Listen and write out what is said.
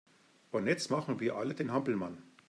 Und jetzt machen wir alle den Hampelmann!